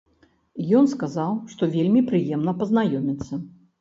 Ён сказаў, што вельмі прыемна пазнаёміцца.